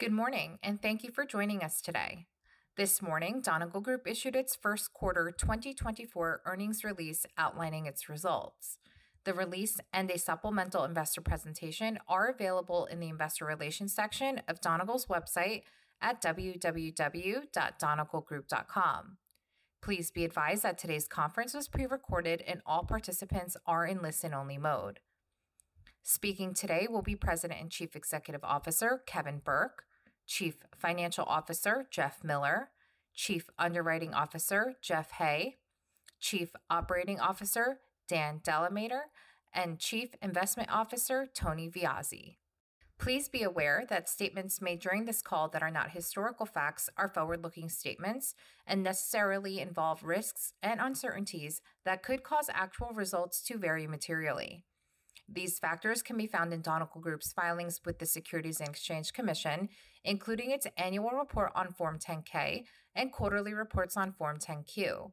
Good morning, and thank you for joining us today. This morning, Donegal Group issued its first quarter 2024 earnings release outlining its results. The release and a supplemental investor presentation are available in the investor relations section of Donegal's website at www.donegalgroup.com. Please be advised that today's conference was prerecorded and all participants are in listen-only mode. Speaking today will be President and Chief Executive Officer Kevin Burke, Chief Financial Officer Jeff Miller, Chief Underwriting Officer Jeff Hay, Chief Operating Officer Dan DeLamater, and Chief Investment Officer Tony Viozzi. Please be aware that statements made during this call that are not historical facts are forward-looking statements and necessarily involve risks and uncertainties that could cause actual results to vary materially. These factors can be found in Donegal Group's filings with the Securities and Exchange Commission, including its annual report on Form 10-K and quarterly reports on Form 10-Q.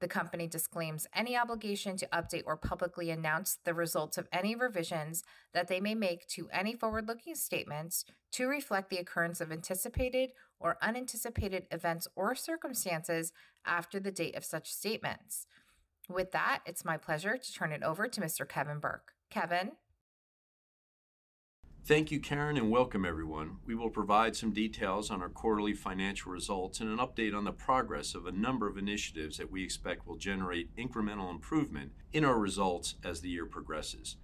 The company disclaims any obligation to update or publicly announce the results of any revisions that they may make to any forward-looking statements to reflect the occurrence of anticipated or unanticipated events or circumstances after the date of such statements. With that, it's my pleasure to turn it over to Mr. Kevin Burke? Thank you, Karin, and welcome, everyone. We will provide some details on our quarterly financial results and an update on the progress of a number of initiatives that we expect will generate incremental improvement in our results as the year progresses.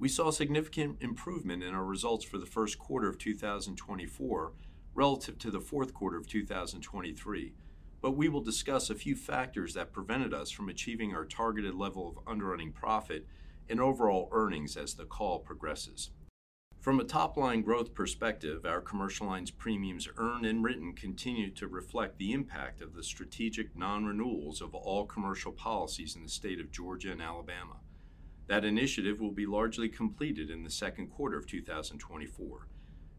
We saw significant improvement in our results for the first quarter of 2024 relative to the fourth quarter of 2023, but we will discuss a few factors that prevented us from achieving our targeted level of underwriting profit and overall earnings as the call progresses. From a top-line growth perspective, our Commercial Lines' premiums earned and written continue to reflect the impact of the strategic non-renewals of all commercial policies in the state of Georgia and Alabama. That initiative will be largely completed in the second quarter of 2024,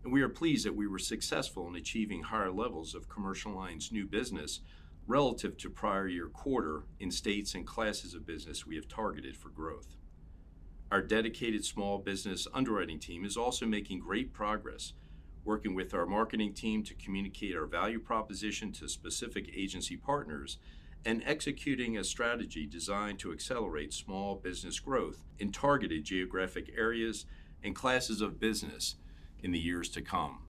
and we are pleased that we were successful in achieving higher levels of Commercial Lines' new business relative to prior-year quarter in states and classes of business we have targeted for growth. Our dedicated small business underwriting team is also making great progress, working with our marketing team to communicate our value proposition to specific agency partners and executing a strategy designed to accelerate small business growth in targeted geographic areas and classes of business in the years to come.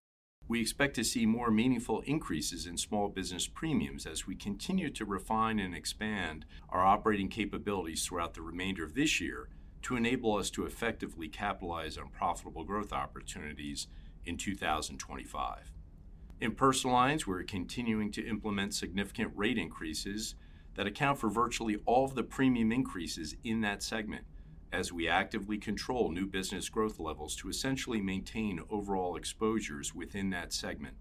We expect to see more meaningful increases in small business premiums as we continue to refine and expand our operating capabilities throughout the remainder of this year to enable us to effectively capitalize on profitable growth opportunities in 2025. In Personal Lines, we're continuing to implement significant rate increases that account for virtually all of the premium increases in that segment as we actively control new business growth levels to essentially maintain overall exposures within that segment.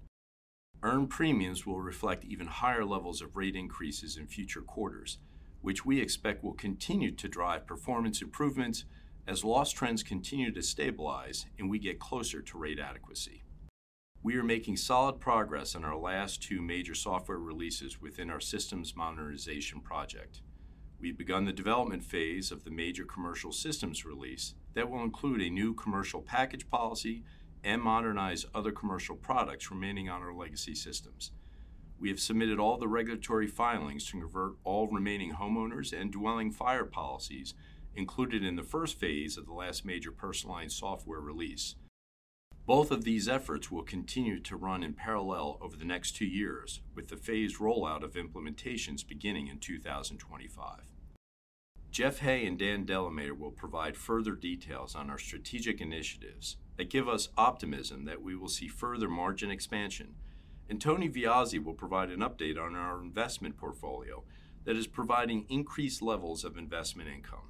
Earned premiums will reflect even higher levels of rate increases in future quarters, which we expect will continue to drive performance improvements as loss trends continue to stabilize and we get closer to rate adequacy. We are making solid progress on our last two major software releases within our systems modernization project. We've begun the development phase of the major commercial systems release that will include a new Commercial Package Policy and modernize other commercial products remaining on our legacy systems. We have submitted all the regulatory filings to convert all remaining Homeowners and Dwelling Fire policies included in the first phase of the last major Personal Lines software release. Both of these efforts will continue to run in parallel over the next two years, with the phased rollout of implementations beginning in 2025. Jeff Hay and Dan DeLamater will provide further details on our strategic initiatives that give us optimism that we will see further margin expansion, and Tony Viozzi will provide an update on our investment portfolio that is providing increased levels of investment income.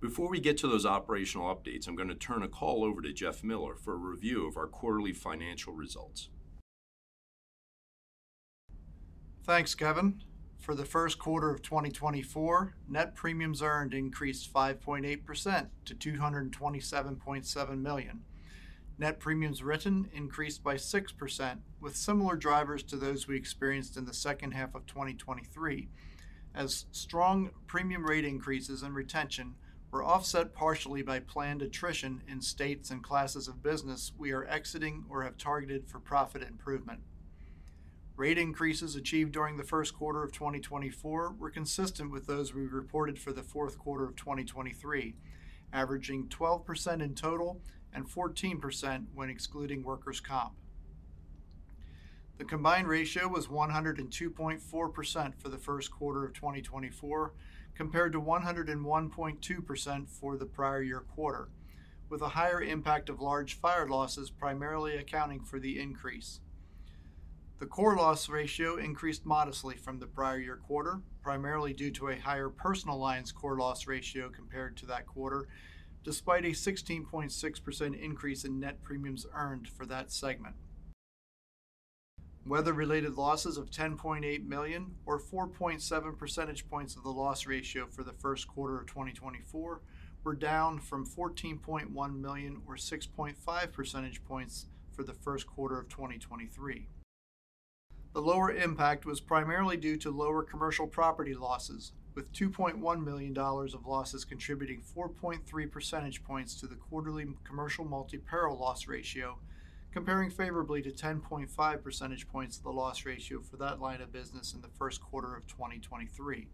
Before we get to those operational updates, I'm going to turn a call over to Jeff Miller for a review of our quarterly financial results. Thanks, Kevin. For the first quarter of 2024, net premiums earned increased 5.8% to $227.7 million. Net premiums written increased by 6%, with similar drivers to those we experienced in the second half of 2023, as strong premium rate increases and retention were offset partially by planned attrition in states and classes of business we are exiting or have targeted for profit improvement. Rate increases achieved during the first quarter of 2024 were consistent with those we reported for the fourth quarter of 2023, averaging 12% in total and 14% when excluding workers' comp. The combined ratio was 102.4% for the first quarter of 2024, compared to 101.2% for the prior year quarter, with a higher impact of large fire losses primarily accounting for the increase. The core loss ratio increased modestly from the prior year quarter, primarily due to a higher personal lines core loss ratio compared to that quarter, despite a 16.6% increase in net premiums earned for that segment. Weather-related losses of $10.8 million or 4.7 percentage points of the loss ratio for the first quarter of 2024 were down from $14.1 million or 6.5 percentage points for the first quarter of 2023. The lower impact was primarily due to lower commercial property losses, with $2.1 million of losses contributing 4.3 percentage points to the quarterly commercial multi-peril loss ratio, comparing favorably to 10.5 percentage points of the loss ratio for that line of business in the first quarter of 2023.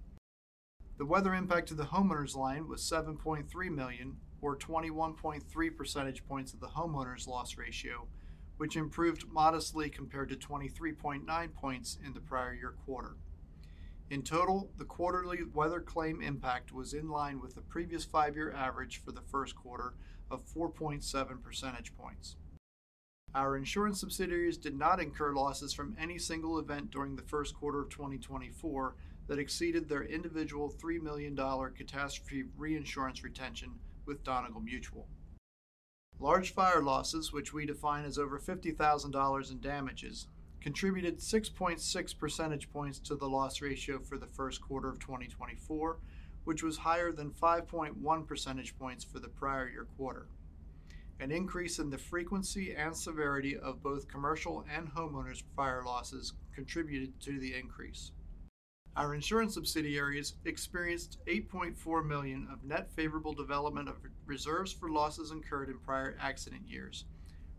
The weather impact to the homeowners line was $7.3 million or 21.3 percentage points of the homeowners loss ratio, which improved modestly compared to 23.9 points in the prior year quarter. In total, the quarterly weather claim impact was in line with the previous five-year average for the first quarter of 4.7 percentage points. Our insurance subsidiaries did not incur losses from any single event during the first quarter of 2024 that exceeded their individual $3 million catastrophe reinsurance retention with Donegal Mutual. Large fire losses, which we define as over $50,000 in damages, contributed 6.6 percentage points to the loss ratio for the first quarter of 2024, which was higher than 5.1 percentage points for the prior year quarter. An increase in the frequency and severity of both commercial and homeowners' fire losses contributed to the increase. Our insurance subsidiaries experienced $8.4 million of net favorable development of reserves for losses incurred in prior accident years,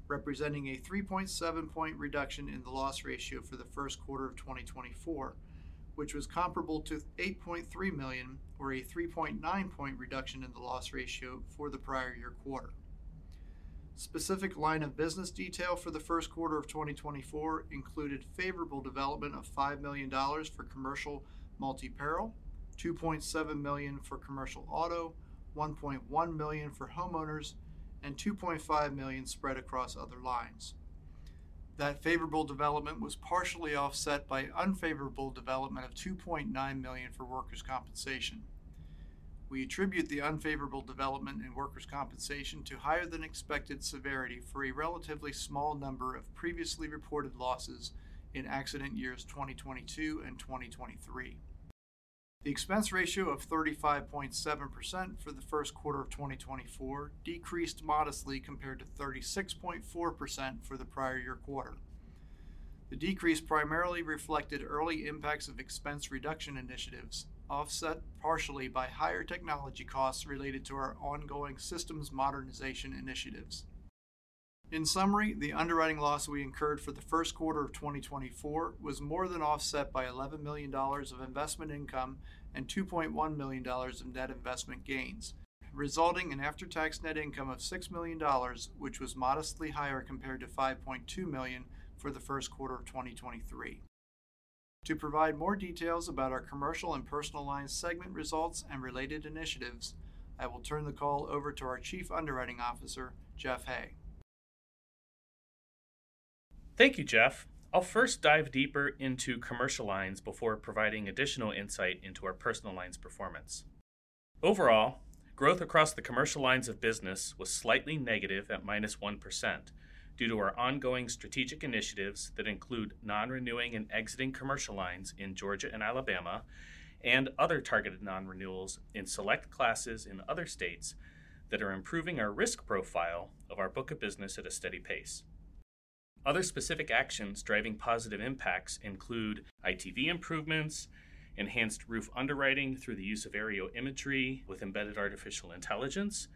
representing a 3.7-point reduction in the loss ratio for the first quarter of 2024, which was comparable to $8.3 million or a 3.9-point reduction in the loss ratio for the prior year quarter. Specific line of business detail for the first quarter of 2024 included favorable development of $5 million for commercial multi-peril, $2.7 million for commercial auto, $1.1 million for homeowners, and $2.5 million spread across other lines. That favorable development was partially offset by unfavorable development of $2.9 million for workers' compensation. We attribute the unfavorable development in workers' compensation to higher-than-expected severity for a relatively small number of previously reported losses in accident years 2022 and 2023. The expense ratio of 35.7% for the first quarter of 2024 decreased modestly compared to 36.4% for the prior year quarter. The decrease primarily reflected early impacts of expense reduction initiatives, offset partially by higher technology costs related to our ongoing systems modernization initiatives. In summary, the underwriting loss we incurred for the first quarter of 2024 was more than offset by $11 million of investment income and $2.1 million of net investment gains, resulting in after-tax net income of $6 million, which was modestly higher compared to $5.2 million for the first quarter of 2023. To provide more details about our commercial and personal lines segment results and related initiatives, I will turn the call over to our Chief Underwriting Officer, Jeff Hay. Thank you, Jeff. I'll first dive deeper into commercial lines before providing additional insight into our personal lines performance. Overall, growth across the commercial lines of business was slightly negative at -1% due to our ongoing strategic initiatives that include non-renewing and exiting commercial lines in Georgia and Alabama and other targeted non-renewals in select classes in other states that are improving our risk profile of our book of business at a steady pace. Other specific actions driving positive impacts include ITV improvements, enhanced roof underwriting through the use of aerial imagery with embedded artificial intelligence,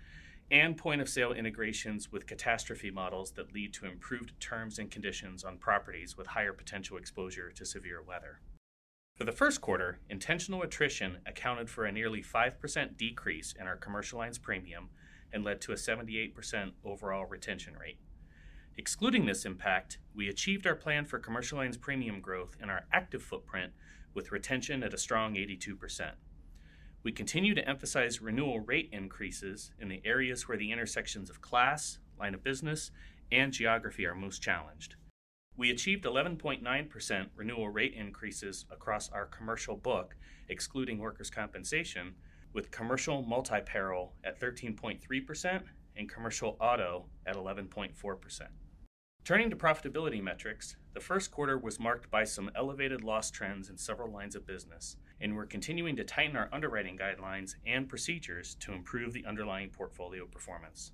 and point-of-sale integrations with catastrophe models that lead to improved terms and conditions on properties with higher potential exposure to severe weather. For the first quarter, intentional attrition accounted for a nearly 5% decrease in our commercial lines premium and led to a 78% overall retention rate. Excluding this impact, we achieved our plan for commercial lines premium growth in our active footprint with retention at a strong 82%. We continue to emphasize renewal rate increases in the areas where the intersections of class, line of business, and geography are most challenged. We achieved 11.9% renewal rate increases across our commercial book, excluding workers' compensation, with commercial multi-peril at 13.3% and commercial auto at 11.4%. Turning to profitability metrics, the first quarter was marked by some elevated loss trends in several lines of business, and we're continuing to tighten our underwriting guidelines and procedures to improve the underlying portfolio performance.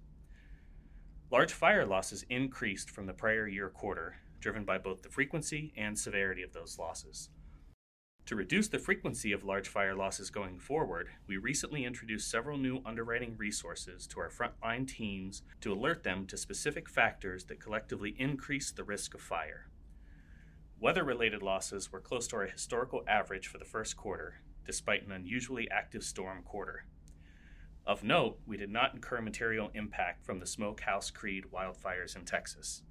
Large fire losses increased from the prior year quarter, driven by both the frequency and severity of those losses. To reduce the frequency of large fire losses going forward, we recently introduced several new underwriting resources to our frontline teams to alert them to specific factors that collectively increase the risk of fire. Weather-related losses were close to our historical average for the first quarter, despite an unusually active storm quarter. Of note, we did not incur material impact from the Smokehouse Creek wildfires in Texas.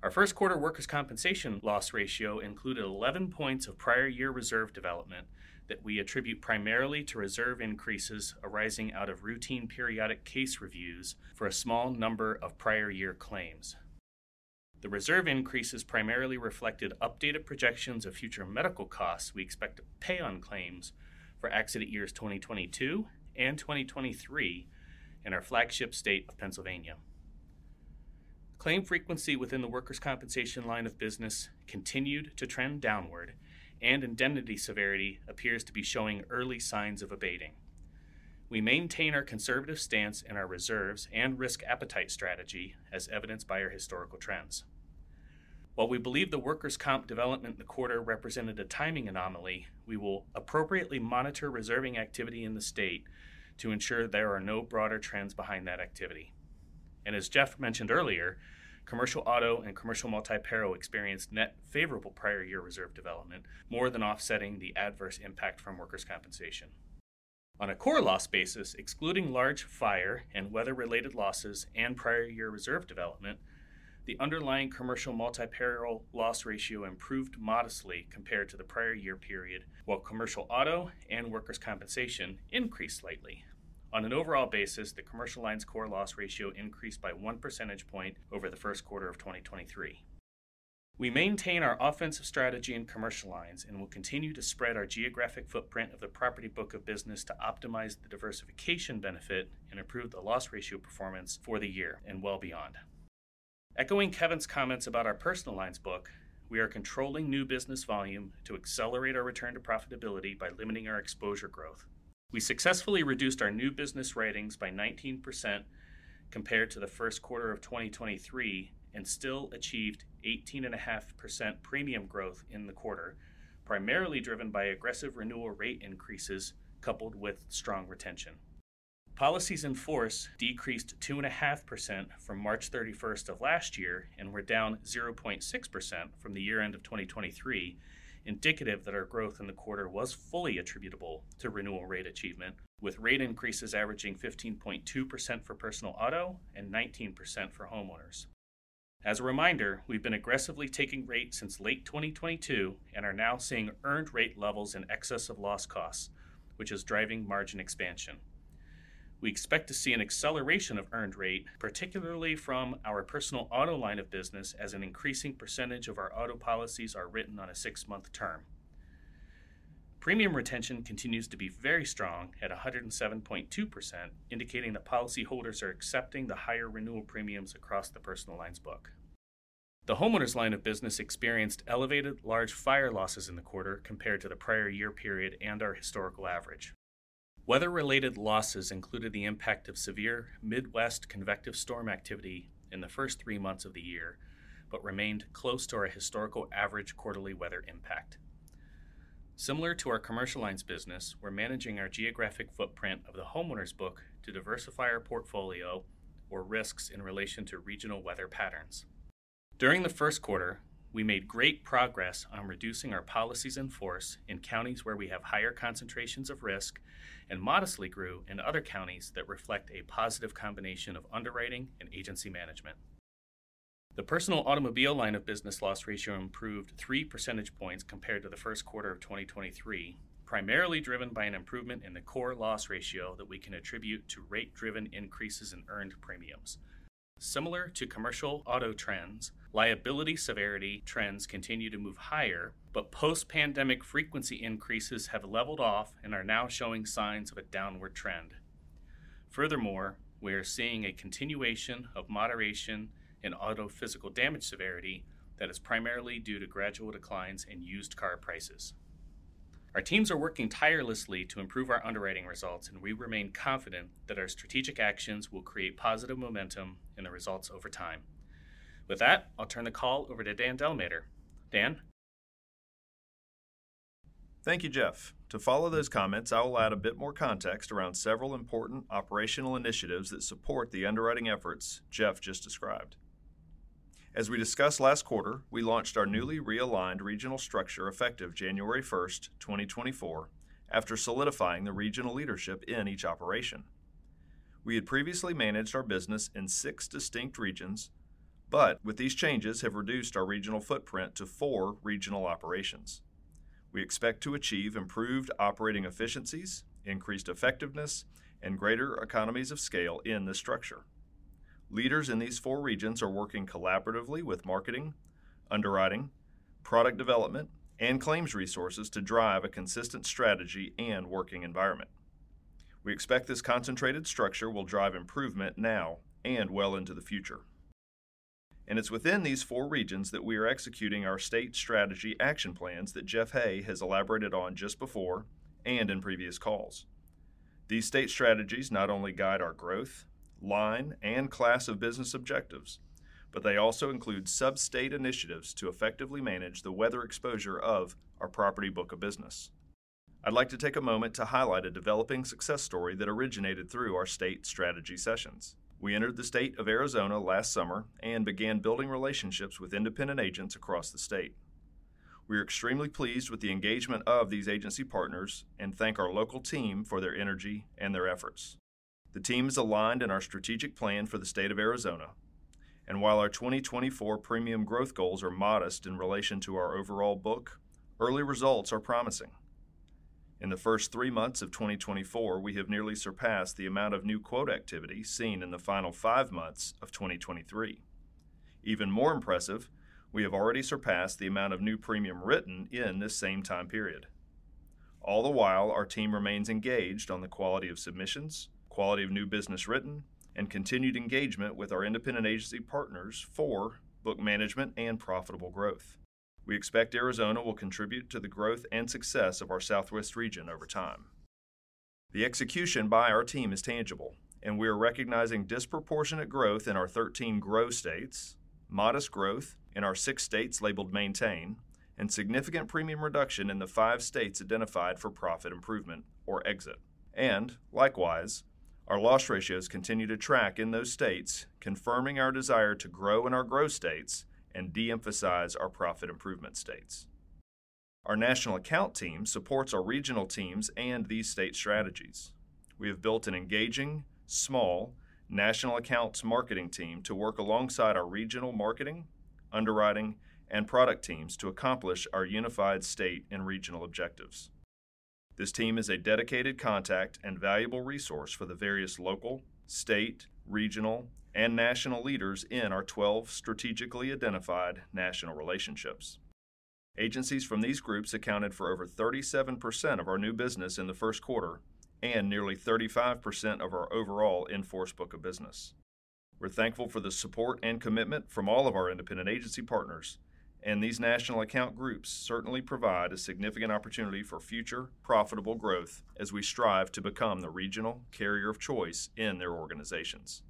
Our first quarter workers' compensation loss ratio included 11 points of prior year reserve development that we attribute primarily to reserve increases arising out of routine periodic case reviews for a small number of prior year claims. The reserve increases primarily reflected updated projections of future medical costs we expect to pay on claims for accident years 2022 and 2023 in our flagship state of Pennsylvania. Claim frequency within the Workers' Compensation line of business continued to trend downward, and indemnity severity appears to be showing early signs of abating. We maintain our conservative stance in our reserves and risk appetite strategy, as evidenced by our historical trends. While we believe the workers' comp development in the quarter represented a timing anomaly, we will appropriately monitor reserving activity in the state to ensure there are no broader trends behind that activity. As Jeff mentioned earlier, Commercial Auto and Commercial Multi-Peril experienced net favorable prior year reserve development, more than offsetting the adverse impact from Workers' Compensation. On a core loss basis, excluding large fire and weather-related losses and prior year reserve development, the underlying Commercial Multi-Peril loss ratio improved modestly compared to the prior year period, while Commercial Auto and Workers' Compensation increased slightly. On an overall basis, the commercial lines core loss ratio increased by 1 percentage point over the first quarter of 2023. We maintain our offensive strategy in commercial lines and will continue to spread our geographic footprint of the property book of business to optimize the diversification benefit and improve the loss ratio performance for the year and well beyond. Echoing Kevin's comments about our personal lines book, we are controlling new business volume to accelerate our return to profitability by limiting our exposure growth. We successfully reduced our new business writings by 19% compared to the first quarter of 2023 and still achieved 18.5% premium growth in the quarter, primarily driven by aggressive renewal rate increases coupled with strong retention. Policies in force decreased 2.5% from March 31st of last year and were down 0.6% from the year-end of 2023, indicative that our growth in the quarter was fully attributable to renewal rate achievement, with rate increases averaging 15.2% for personal auto and 19% for homeowners. As a reminder, we've been aggressively taking rates since late 2022 and are now seeing earned rate levels in excess of loss costs, which is driving margin expansion. We expect to see an acceleration of earned rate, particularly from our personal auto line of business, as an increasing percentage of our auto policies are written on a six-month term. Premium retention continues to be very strong at 107.2%, indicating that policyholders are accepting the higher renewal premiums across the personal lines book. The homeowners' line of business experienced elevated large fire losses in the quarter compared to the prior year period and our historical average. Weather-related losses included the impact of severe Midwest convective storm activity in the first three months of the year but remained close to our historical average quarterly weather impact. Similar to our commercial lines business, we're managing our geographic footprint of the homeowners' book to diversify our portfolio, or risks, in relation to regional weather patterns. During the first quarter, we made great progress on reducing our policies in force in counties where we have higher concentrations of risk and modestly grew in other counties that reflect a positive combination of underwriting and agency management. The personal automobile line of business loss ratio improved 3 percentage points compared to the first quarter of 2023, primarily driven by an improvement in the core loss ratio that we can attribute to rate-driven increases in earned premiums. Similar to commercial auto trends, liability severity trends continue to move higher, but post-pandemic frequency increases have leveled off and are now showing signs of a downward trend. Furthermore, we are seeing a continuation of moderation in auto physical damage severity that is primarily due to gradual declines in used car prices. Our teams are working tirelessly to improve our underwriting results, and we remain confident that our strategic actions will create positive momentum in the results over time. With that, I'll turn the call over to Dan DeLamater. Dan. Thank you, Jeff. To follow those comments, I will add a bit more context around several important operational initiatives that support the underwriting efforts Jeff just described. As we discussed last quarter, we launched our newly realigned regional structure effective January 1st, 2024, after solidifying the regional leadership in each operation. We had previously managed our business in six distinct regions, but with these changes have reduced our regional footprint to four regional operations. We expect to achieve improved operating efficiencies, increased effectiveness, and greater economies of scale in this structure. Leaders in these four regions are working collaboratively with marketing, underwriting, product development, and claims resources to drive a consistent strategy and working environment. We expect this concentrated structure will drive improvement now and well into the future. It's within these four regions that we are executing our state strategy action plans that Jeff Hay has elaborated on just before and in previous calls. These state strategies not only guide our growth, line, and class of business objectives, but they also include sub-state initiatives to effectively manage the weather exposure of our property book of business. I'd like to take a moment to highlight a developing success story that originated through our state strategy sessions. We entered the state of Arizona last summer and began building relationships with independent agents across the state. We are extremely pleased with the engagement of these agency partners and thank our local team for their energy and their efforts. The team is aligned in our strategic plan for the state of Arizona, and while our 2024 premium growth goals are modest in relation to our overall book, early results are promising. In the first three months of 2024, we have nearly surpassed the amount of new quote activity seen in the final five months of 2023. Even more impressive, we have already surpassed the amount of new premium written in this same time period. All the while, our team remains engaged on the quality of submissions, quality of new business written, and continued engagement with our independent agency partners for book management and profitable growth. We expect Arizona will contribute to the growth and success of our Southwest region over time. The execution by our team is tangible, and we are recognizing disproportionate growth in our 13 grow states, modest growth in our six states labeled maintain, and significant premium reduction in the five states identified for profit improvement or exit. Likewise, our loss ratios continue to track in those states, confirming our desire to grow in our grow states and de-emphasize our profit improvement states. Our national account team supports our regional teams and these state strategies. We have built an engaging, small national accounts marketing team to work alongside our regional marketing, underwriting, and product teams to accomplish our unified state and regional objectives. This team is a dedicated contact and valuable resource for the various local, state, regional, and national leaders in our 12 strategically identified national relationships. Agencies from these groups accounted for over 37% of our new business in the first quarter and nearly 35% of our overall in-force book of business. We're thankful for the support and commitment from all of our independent agency partners, and these national account groups certainly provide a significant opportunity for future profitable growth as we strive to become the regional carrier of choice in their organizations.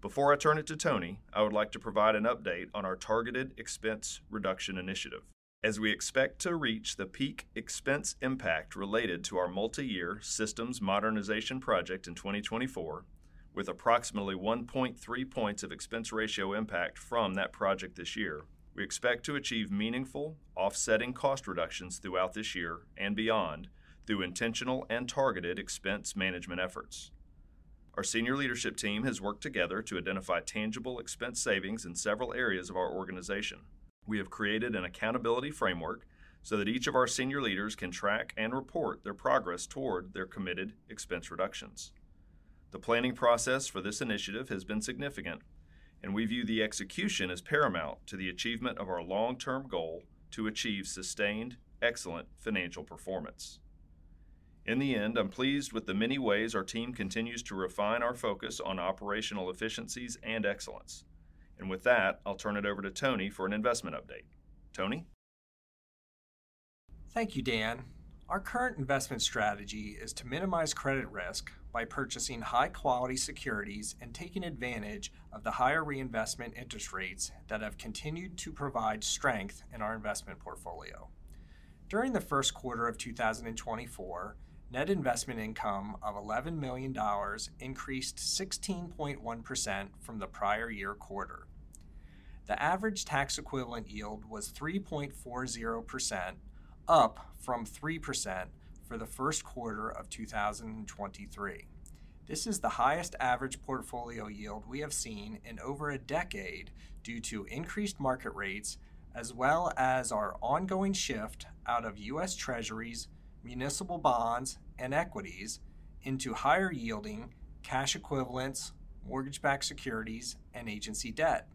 Before I turn it to Tony, I would like to provide an update on our targeted expense reduction initiative. As we expect to reach the peak expense impact related to our multi-year systems modernization project in 2024, with approximately 1.3 points of expense ratio impact from that project this year, we expect to achieve meaningful, offsetting cost reductions throughout this year and beyond through intentional and targeted expense management efforts. Our senior leadership team has worked together to identify tangible expense savings in several areas of our organization. We have created an accountability framework so that each of our senior leaders can track and report their progress toward their committed expense reductions. The planning process for this initiative has been significant, and we view the execution as paramount to the achievement of our long-term goal to achieve sustained, excellent financial performance. In the end, I'm pleased with the many ways our team continues to refine our focus on operational efficiencies and excellence. With that, I'll turn it over to Tony for an investment update. Tony? Thank you, Dan. Our current investment strategy is to minimize credit risk by purchasing high-quality securities and taking advantage of the higher reinvestment interest rates that have continued to provide strength in our investment portfolio. During the first quarter of 2024, net investment income of $11 million increased 16.1% from the prior year quarter. The average tax equivalent yield was 3.40%, up from 3% for the first quarter of 2023. This is the highest average portfolio yield we have seen in over a decade due to increased market rates as well as our ongoing shift out of U.S. Treasuries, municipal bonds, and equities into higher-yielding cash equivalents, mortgage-backed securities, and agency debt.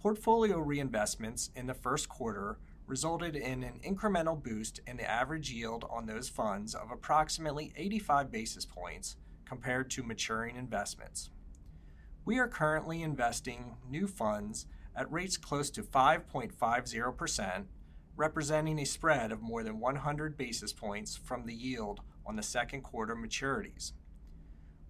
Portfolio reinvestments in the first quarter resulted in an incremental boost in the average yield on those funds of approximately 85 basis points compared to maturing investments. We are currently investing new funds at rates close to 5.50%, representing a spread of more than 100 basis points from the yield on the second quarter maturities.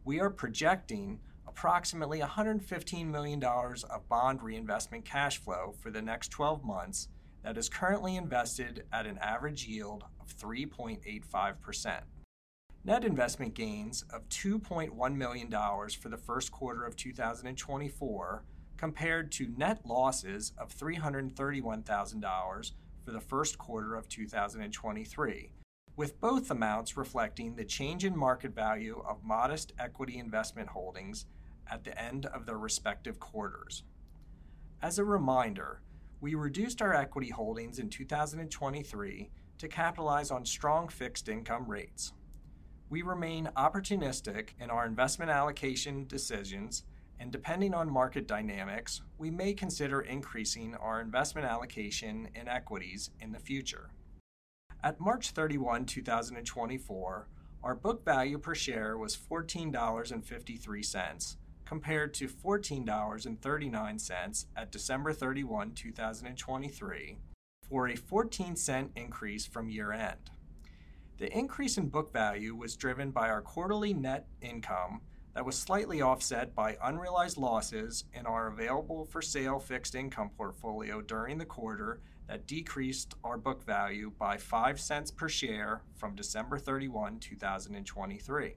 We are projecting approximately $115 million of bond reinvestment cash flow for the next 12 months that is currently invested at an average yield of 3.85%. Net investment gains of $2.1 million for the first quarter of 2024 compared to net losses of $331,000 for the first quarter of 2023, with both amounts reflecting the change in market value of modest equity investment holdings at the end of their respective quarters. As a reminder, we reduced our equity holdings in 2023 to capitalize on strong fixed income rates. We remain opportunistic in our investment allocation decisions, and depending on market dynamics, we may consider increasing our investment allocation in equities in the future. At March 31, 2024, our book value per share was $14.53 compared to $14.39 at December 31, 2023, for a $0.14 increase from year-end. The increase in book value was driven by our quarterly net income that was slightly offset by unrealized losses in our available-for-sale fixed income portfolio during the quarter that decreased our book value by $0.05 per share from December 31, 2023.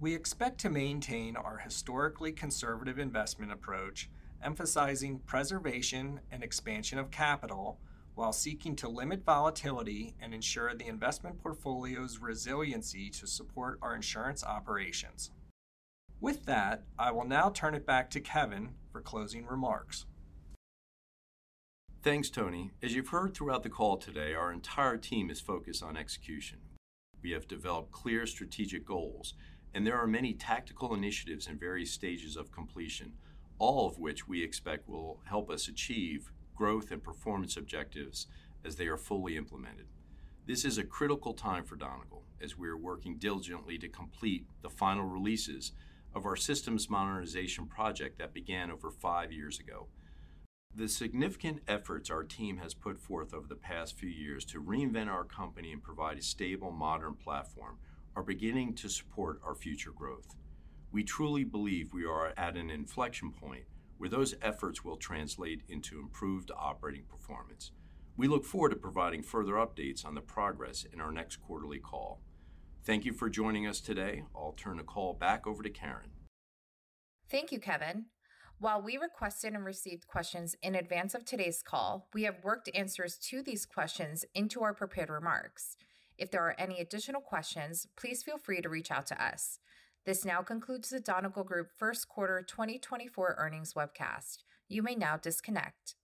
We expect to maintain our historically conservative investment approach, emphasizing preservation and expansion of capital while seeking to limit volatility and ensure the investment portfolio's resiliency to support our insurance operations. With that, I will now turn it back to Kevin for closing remarks. Thanks, Tony. As you've heard throughout the call today, our entire team is focused on execution. We have developed clear strategic goals, and there are many tactical initiatives in various stages of completion, all of which we expect will help us achieve growth and performance objectives as they are fully implemented. This is a critical time for Donegal, as we are working diligently to complete the final releases of our systems modernization project that began over five years ago. The significant efforts our team has put forth over the past few years to reinvent our company and provide a stable, modern platform are beginning to support our future growth. We truly believe we are at an inflection point where those efforts will translate into improved operating performance. We look forward to providing further updates on the progress in our next quarterly call. Thank you for joining us today. I'll turn the call back over to Karin. Thank you, Kevin. While we requested and received questions in advance of today's call, we have worked answers to these questions into our prepared remarks. If there are any additional questions, please feel free to reach out to us. This now concludes the Donegal Group First Quarter 2024 Earnings webcast. You may now disconnect.